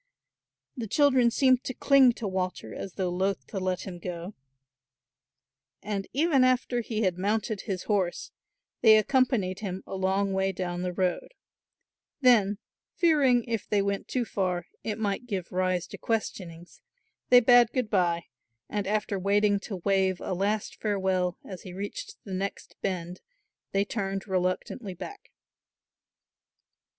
The children seemed to cling to Walter as though loth to let him go and even after he had mounted his horse they accompanied him a long way down the road; then, fearing, if they went too far, it might give rise to questionings they bade good bye and after waiting to wave a last farewell as he reached the next bend they turned reluctantly back.